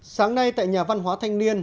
sáng nay tại nhà văn hóa thanh niên